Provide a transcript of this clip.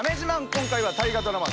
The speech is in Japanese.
今回は大河ドラマ